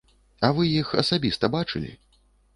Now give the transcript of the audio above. А вы іх асабіста бачылі?